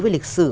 về lịch sử